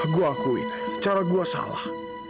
gua akui cara gua salah